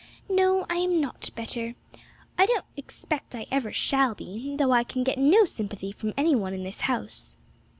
'No, I am not better I don't expect I ever shall be, though I can get no sympathy from any one in this house.'